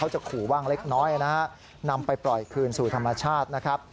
จะขู่บ้างเล็กน้อยนะฮะนำไปปล่อยคืนสู่ธรรมชาตินะครับ